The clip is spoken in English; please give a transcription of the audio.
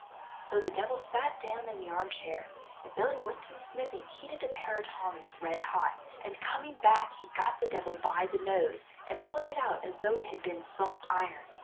So the devil sat down in the arm chair, and Billy went to the smithy and heated a pair of tongs red hot, and coming back, he got the devil by the nose, and pulled it out as though it had been soft iron.